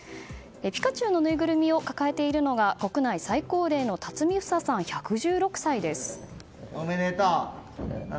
ピカチュウのぬいぐるみを抱えているのは国内最高齢の巽フサさん、１１６歳です。